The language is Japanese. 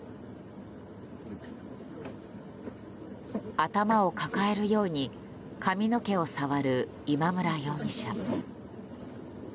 頭を抱えるように髪の毛を触る今村容疑者。